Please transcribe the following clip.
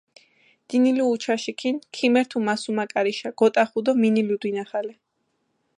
დინილუ უჩაშიქინ, ქიმერთუ მასუმა კარიშა, გოტახუ დო მინილუ დინახალე.